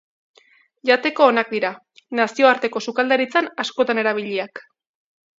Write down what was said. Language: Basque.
Jateko onak dira, nazioarteko sukaldaritzan askotan erabiliak.